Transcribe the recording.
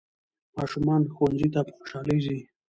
ماشومان ښوونځي ته په خوشحالۍ ځي